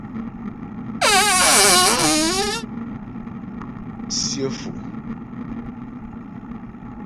Tsyə́ Fò.